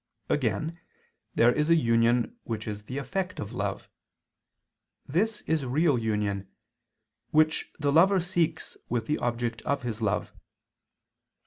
Again there is a union, which is the effect of love. This is real union, which the lover seeks with the object of his love.